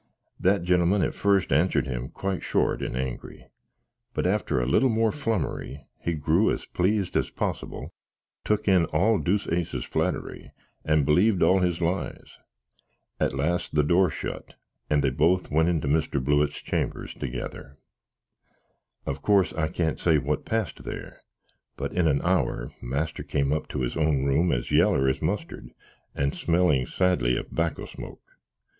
That genlmn at fust answered him quite short and angry; but, after a little more flumery, he grew as pleased as posbill, took in all Deuceace's flatry, and bleeved all his lies. At last the door shut, and they both went into Mr. Blewitt's chambers togither. Of course I can't say what past there; but in an hour master kem up to his own room as yaller as mustard, and smellin sadly of backo smoke.